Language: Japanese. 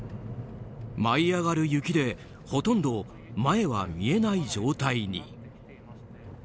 舞い上がる雪でほとんど前は見えない状態に。